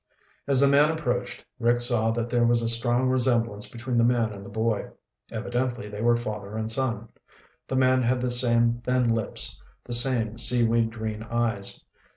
As the man approached, Rick saw that there was a strong resemblance between the man and the boy. Evidently they were father and son. The man had the same thin lips, the same seaweed green eyes.